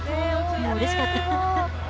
うれしかった。